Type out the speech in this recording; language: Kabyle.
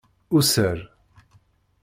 User.